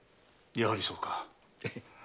やはりそうか。